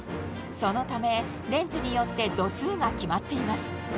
そのためレンズによって度数が決まっています